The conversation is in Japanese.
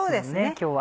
今日は。